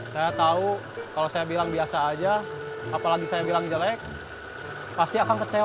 saya tahu kalau saya bilang biasa aja apalagi saya bilang jelek pasti akan kecewa